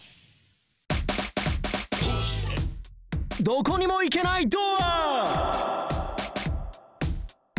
どこにも行けないドア